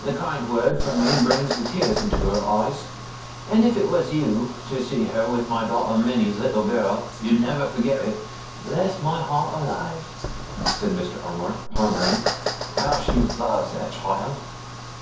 A kind word from me brings the tears into her eyes; and if you was to see her with my daughter Minnie's little girl, you'd never forget it. Bless my heart alive!' said Mr. Omer, pondering, 'how she loves that child!